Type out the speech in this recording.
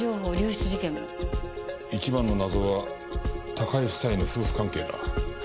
一番の謎は高井夫妻の夫婦関係だ。